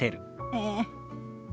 ええ。